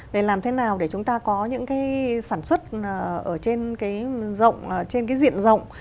để làm thế nào để chúng ta có những cái sản xuất ở trên cái diện rộng